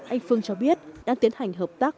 anh phương cho biết đang tiến hành hợp tác